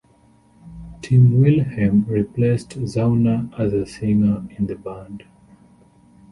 Tim Wilhelm replaced Zauner as a singer in the band.